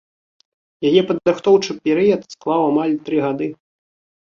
Яе падрыхтоўчы перыяд склаў амаль тры гады.